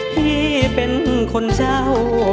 พี่เป็นคนเช่า